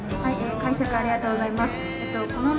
解釈ありがとうございます。